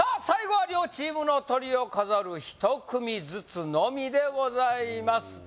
最後は両チームのトリを飾る１組ずつのみでございます